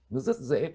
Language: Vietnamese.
nó rất dễ